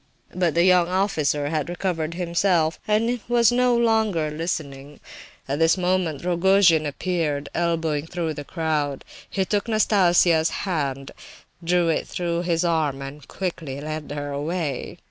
But the young officer had recovered himself, and was no longer listening. At this moment Rogojin appeared, elbowing through the crowd; he took Nastasia's hand, drew it through his arm, and quickly led her away.